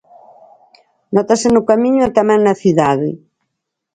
Nótase no Camiño e tamén na cidade.